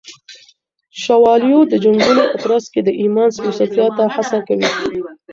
شوالیو د جنگونو په ترڅ کي د ایمان سپېڅلتیا ته هڅه کوي.